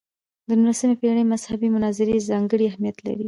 د نولسمې پېړۍ مذهبي مناظرې ځانګړی اهمیت لري.